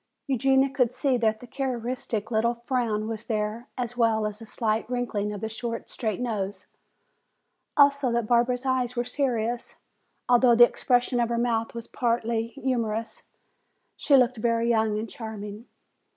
Eugenia could see that the characteristic little frown was there as well as the slight wrinkling of the short, straight nose. Also that Barbara's eyes were serious, although the expression of her mouth was partly humorous. She looked very young and charming.